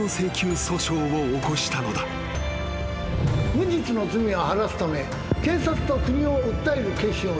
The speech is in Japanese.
無実の罪を晴らすため警察と国を訴える決心をした二本松さん。